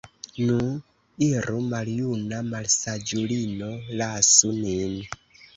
Nu, iru, maljuna malsaĝulino, lasu nin!